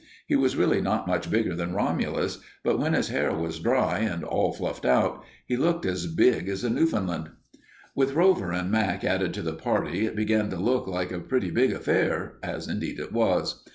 He was really not much bigger than Romulus, but when his hair was dry and all fluffed out he looked as big as a Newfoundland. With Rover and Mac added to the party, it began to look like a pretty big affair, as indeed it was.